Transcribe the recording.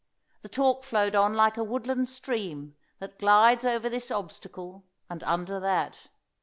The talk flowed on like a woodland stream that glides over this obstacle and under that.